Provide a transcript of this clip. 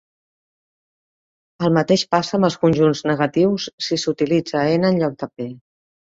El mateix passa amb els conjunts negatius, si s'utilitza "N" en lloc de "P".